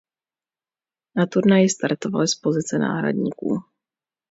Na turnaji startovali z pozice náhradníků.